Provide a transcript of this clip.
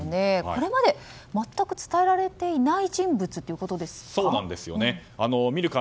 これまで全く伝えられていない人物ということですか？